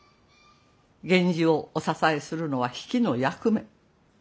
源氏をお支えするのは比企の役目。